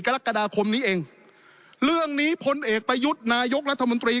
กรกฎาคมนี้เองเรื่องนี้พลเอกประยุทธ์นายกรัฐมนตรี